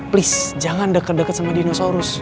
please jangan deket deket sama dinosaurus